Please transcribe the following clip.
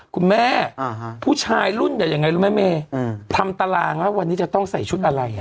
คุณแม่ผู้ชายรุ่นเนี่ยยังไงรู้ไหมเมย์ทำตารางว่าวันนี้จะต้องใส่ชุดอะไร